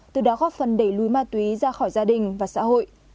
từ đó góp phần đẩy lùi ma túy ra khỏi gia đình và xã hội